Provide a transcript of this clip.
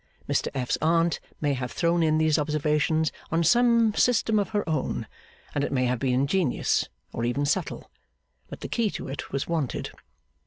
Mr F.'s Aunt may have thrown in these observations on some system of her own, and it may have been ingenious, or even subtle: but the key to it was wanted.